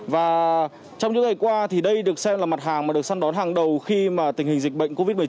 và trong những ngày qua thì đây được xem là mặt hàng mà được săn đón hàng đầu khi mà tình hình dịch bệnh covid một mươi chín